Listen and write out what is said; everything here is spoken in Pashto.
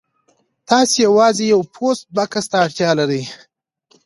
تاسو یوازې یو پوسټ بکس ته اړتیا لرئ